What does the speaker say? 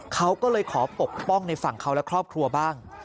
เขาก็เลยขอปกป้องในฝั่งเขาและครอบครัวบ้าง